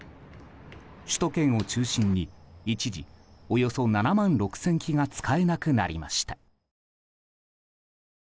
首都圏を中心に一時およそ７万６０００基が使えなくなりました。